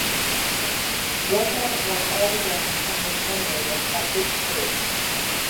Russia lost all the games and was eliminated at group stage.